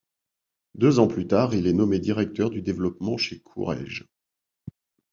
Deux ans plus tard, il est nommé directeur du développement chez Courrèges.